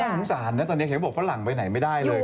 สงสารนะตอนนี้เห็นก็บอกฝรั่งไปไหนไม่ได้เลย